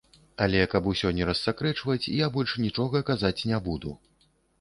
Але, каб усё не рассакрэчваць я больш нічога казаць не буду.